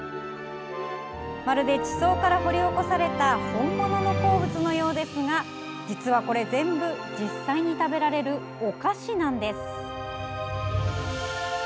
まるで地層から掘り起こされた本物の鉱物のようですが実はこれ、全部実際に食べられるお菓子なんです。